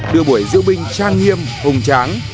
đưa buổi diễu binh trang nghiêm hùng tráng